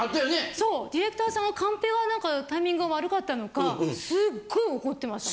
そうディレクターさんのカンペがなんかタイミングが悪かったのかすっごい怒ってました。